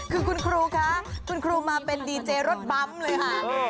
คือคุณครูคะคุณครูมาเป็นดีเจรถปั๊มเลยค่ะ